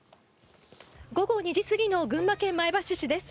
午後２時過ぎの群馬県前橋市です。